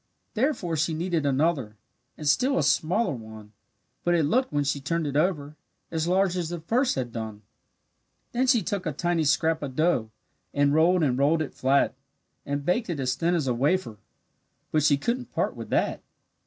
Therefore she kneaded another, And still a smaller one, But it looked, when she turned it over, As large as the first had done. Then she took a tiny scrap of dough, And rolled and rolled it flat; And baked it as thin as a wafer But she couldn't part with that.